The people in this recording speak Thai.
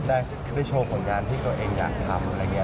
ได้โชว์ผลงานที่ตัวเองอยากทำอะไรอย่างนี้